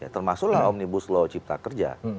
termasuklah omnibus law cipta kerja